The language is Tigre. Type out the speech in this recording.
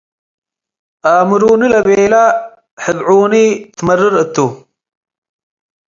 ኣምሩኒ ለቤለ፡ ሕብዑኒ ትመርር እቱ።